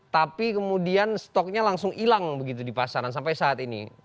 tapi kemudian stoknya langsung hilang begitu di pasaran sampai saat ini